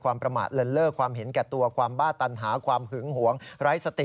ประมาทเลินเล่อความเห็นแก่ตัวความบ้าตันหาความหึงหวงไร้สติ